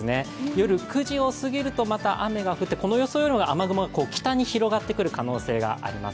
夜９時を過ぎるとまた雨が降って、この予想より雨雲が北に広がってくる可能性があります。